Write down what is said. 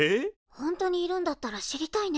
本当にいるんだったら知りたいね